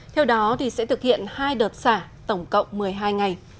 theo đó sẽ thực hiện hai đợt xả tổng cộng một mươi hai ngày